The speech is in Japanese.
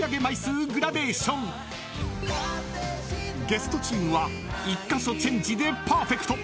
［ゲストチームは１カ所チェンジでパーフェクト］